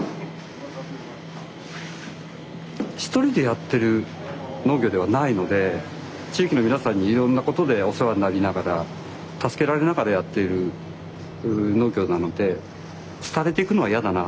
一人でやってる農業ではないので地域の皆さんにいろんなことでお世話になりながら助けられながらやっている農業なので廃れていくのは嫌だな。